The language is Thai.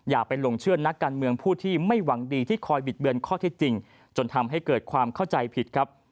อย่าไปหลงเชื่อนักการเมืองผู้ที่ไม่หวังดีที่คอยบิดเบือนข้อเท็จจริงจนทำให้เกิดความเข้าใจผิดครับ